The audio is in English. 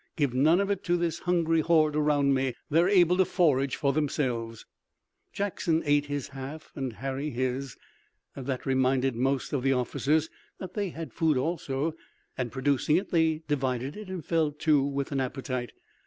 Give none of it to this hungry horde around me. They're able to forage for themselves." Jackson ate his half and Harry his. That reminded most of the officers that they had food also, and producing it they divided it and fell to with an appetite.